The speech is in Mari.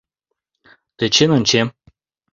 — Тӧчен ончем...